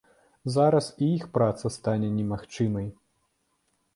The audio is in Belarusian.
Зараз і іх праца стане немагчымай.